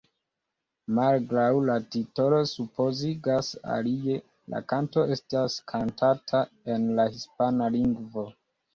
Malgraŭ la titolo supozigas alie, la kanto estis kantata en la hispana lingvo.